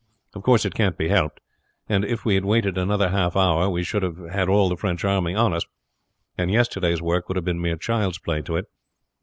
Of course it can't be helped; and if we had waited another half hour we should have had all the French army on us, and yesterday's work would have been mere child's play to it.